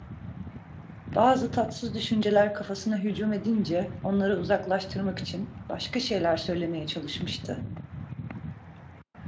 Bazı tatsız düşünceler kafasına hücum edince, onları uzaklaştırmak için başka şeyler söylemeye çalışmıştı.